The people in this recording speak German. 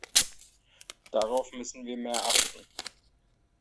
Darauf müssen wir mehr achten.